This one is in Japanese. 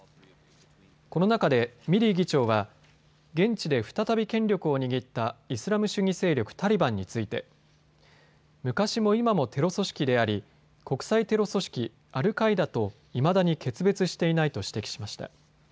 この中でミリー議長は現地で再び権力を握ったイスラム主義勢力タリバンについて昔も今もテロ組織であり国際テロ組織アルカイダといまだに決別していないと指摘しました。